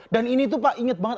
dan ini tuh pak inget banget